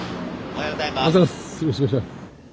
おはようございます。